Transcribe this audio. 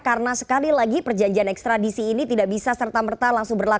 karena sekali lagi perjanjian ekstradisi ini tidak bisa serta merta dikonsumsi